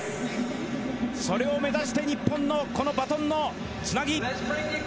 それを目指して日本のこのバトンのつなぎ。